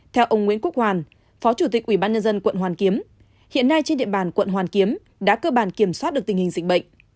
theo ông nguyễn quốc hoàn phó chủ tịch ubnd quận hoàn kiếm hiện nay trên địa bàn quận hoàn kiếm đã cơ bản kiểm soát được tình hình dịch bệnh